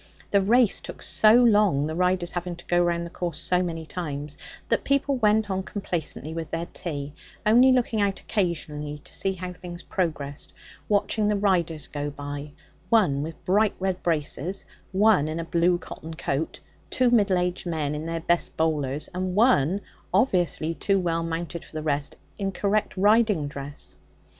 The race took so long, the riders having to go round the course so many times, that people went on complacently with their tea, only looking out occasionally to see how things progressed, watching the riders go by one with bright red braces, one in a blue cotton coat, two middle aged men in their best bowlers, and one, obviously too well mounted for the rest, in correct riding dress.